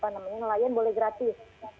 nelayan boleh gratis